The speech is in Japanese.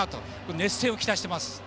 熱戦を期待しています。